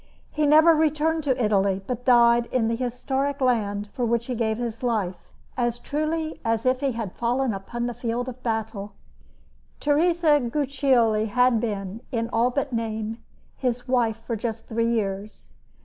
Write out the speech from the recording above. He never returned to Italy, but died in the historic land for which he gave his life as truly as if he had fallen upon the field of battle. Teresa Guiccioli had been, in all but name, his wife for just three years.